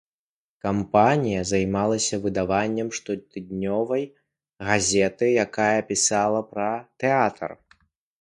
Кампанія займалася выданнем штотыднёвай газеты, якая пісала пра тэатр.